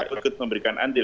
sebut memberikan andil